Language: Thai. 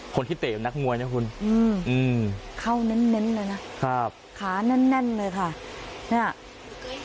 คนที่เตะอยู่นักงวยนะคุณอืมเข้านั้นเลยนะครับขานั้นเลยค่ะเนี่ย